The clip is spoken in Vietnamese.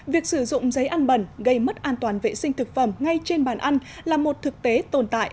việc sử dụng giấy ăn bẩn gây mất an toàn vệ sinh thực phẩm ngay trên bàn ăn là một thực tế tồn tại